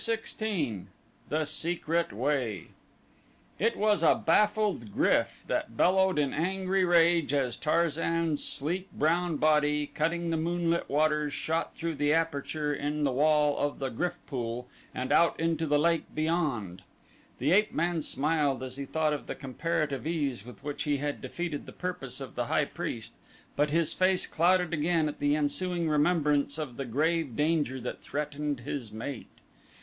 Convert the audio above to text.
16 The Secret Way It was a baffled GRYF that bellowed in angry rage as Tarzan's sleek brown body cutting the moonlit waters shot through the aperture in the wall of the GRYF pool and out into the lake beyond. The ape man smiled as he thought of the comparative ease with which he had defeated the purpose of the high priest but his face clouded again at the ensuing remembrance of the grave danger that threatened his mate.